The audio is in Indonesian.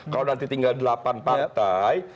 kalau nanti tinggal delapan partai